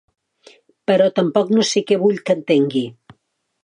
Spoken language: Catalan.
Però tampoc no sé què vull que entengui.